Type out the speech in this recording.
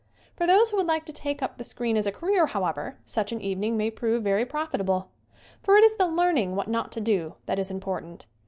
For those who would like to take up the screen as a career, however, such an evening may prove very profitable. For it is the learn ing what not to do that is important.